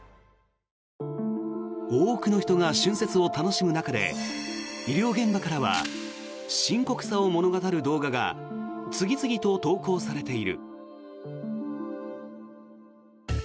多くの人が春節を楽しむ中で医療現場からは深刻さを物語る動画が次々と投稿されている。